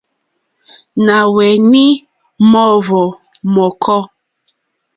Nà hweni mòohvò mɔ̀kɔ.